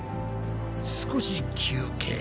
少し休憩。